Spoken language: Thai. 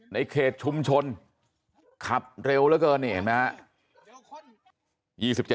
ในเขตชุมชนขับเร็วเหลือเกินนี่เห็นไหมครับ